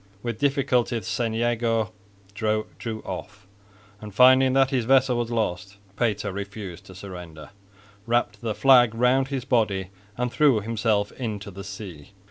With difficulty the St Jago drew off and, finding that his vessel was lost, Pater, refusing to surrender, wrapped the flag round his body and threw himself into the sea.